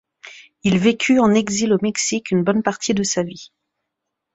Il vécut en exil au Mexique une bonne partie de sa vie.